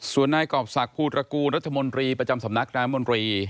ส่วนนายกรอบศักดิภูตระกูลรัฐมนตรีประจำสำนักนายมนตรี